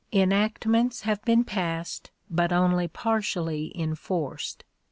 Enactments have been passed, but only partially enforced.